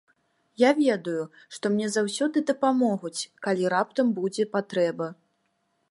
Я ведаю, што мне заўсёды дапамогуць, калі раптам будзе патрэба.